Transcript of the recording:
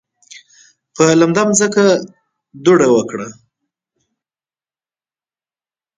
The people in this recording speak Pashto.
په لنده ځمکه یې دوړه وکړه.